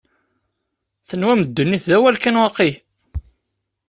Tenwam ddunit d awal kan, waqila?